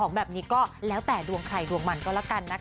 แบบนี้ก็แล้วแต่ดวงใครดวงมันก็แล้วกันนะคะ